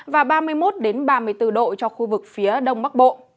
và ba mươi một ba mươi bốn độ cho khu vực phía đông bắc bộ